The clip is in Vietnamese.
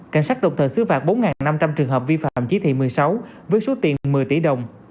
cảnh sát độc thần xứ phạt bốn năm trăm linh trường hợp vi phạm chí thị một mươi sáu với số tiền một mươi tỷ đồng